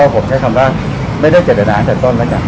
ผมใช้คำว่าไม่ได้เจตนาตั้งแต่ต้นแล้วกัน